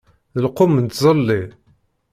D lqum n tzelli.